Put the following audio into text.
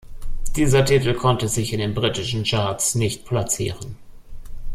Dieser Titel konnte sich in den britischen Charts nicht platzieren.